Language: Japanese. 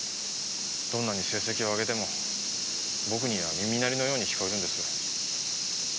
どんなに成績をあげても僕には耳鳴りのように聞こえるんです。